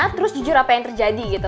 terus jujur apa yang terjadi gitu